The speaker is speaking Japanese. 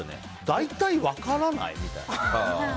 大体分からない？みたいな。